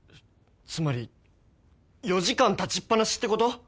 つまり４時間立ちっ放しってこと！？